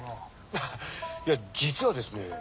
アハいや実はですね